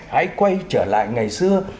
hãy quay trở lại ngày xưa